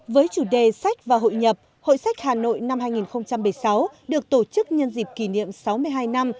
với chủ đề sách và hội nhập hội sách hà nội năm hai nghìn một mươi sáu được tổ chức nhân dịp kỷ niệm sáu mươi hai năm